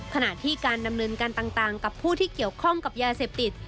ขณะที่การดำเนินการต่างกับผู้ที่เกี่ยวข้องกับยาเสพติด